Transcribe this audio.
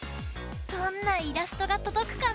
どんなイラストがとどくかな？